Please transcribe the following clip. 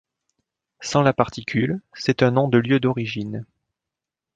Sans la particule, c’est un nom de lieu d’origine.